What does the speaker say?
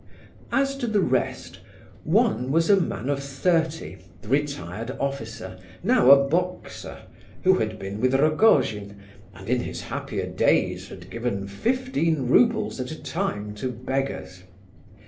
As to the rest, one was a man of thirty, the retired officer, now a boxer, who had been with Rogojin, and in his happier days had given fifteen roubles at a time to beggars.